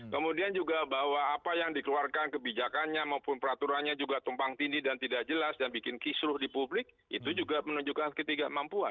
kemudian juga bahwa apa yang dikeluarkan kebijakannya maupun peraturannya juga tumpang tindih dan tidak jelas dan bikin kisruh di publik itu juga menunjukkan ketidakmampuan